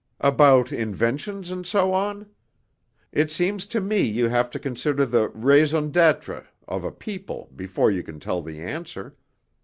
"About inventions and so on? It seems to me you have to consider the raison d'être of a people before you can tell the answer.